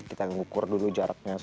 kita ngukur dulu jaraknya